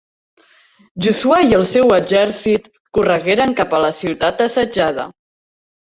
Josuè i el seu exèrcit corregueren cap a la ciutat assetjada.